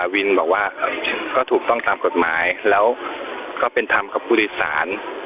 วินบอกว่าก็ถูกต้องตามกฎหมายแล้วก็เป็นธรรมกับผู้โดยสาร